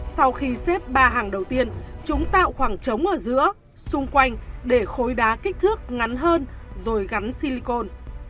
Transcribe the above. sau khi xếp ba hàng đầu tiên chúng tạo khoảng trống ở giữa xung quanh để khối đá kích thước ngắn hơn rồi gắn silicon